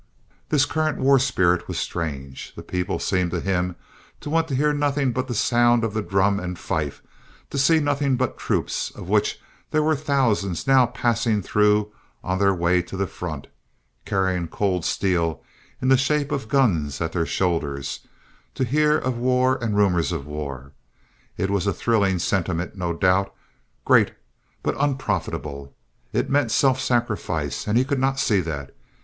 This current war spirit was strange. The people seemed to him to want to hear nothing but the sound of the drum and fife, to see nothing but troops, of which there were thousands now passing through on their way to the front, carrying cold steel in the shape of guns at their shoulders, to hear of war and the rumors of war. It was a thrilling sentiment, no doubt, great but unprofitable. It meant self sacrifice, and he could not see that.